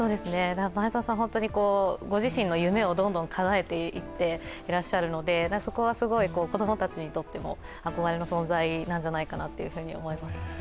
前澤さん、ご自身の夢をどんどんかなえていらっしゃるのでそこは子供たちにとっても憧れの存在なんじゃないかなと思います。